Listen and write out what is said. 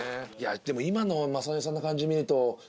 でも今の雅紀さんの感じ見ると。